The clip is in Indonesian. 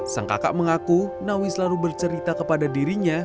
sang kakak mengaku nawi selalu bercerita kepada dirinya